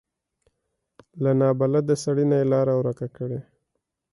له نابلده سړي نه یې لاره ورکه کړي.